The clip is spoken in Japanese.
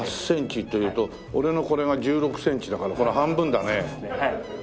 ８センチっていうと俺のこれが１６センチだからこの半分だね。